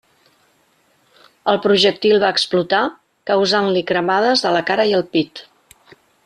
El projectil va explotar, causant-li cremades a la cara i el pit.